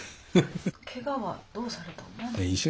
けがはどうされたんですか？